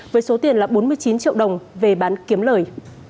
với số tiền là bốn mươi chín triệu đồng về bán kiếm lời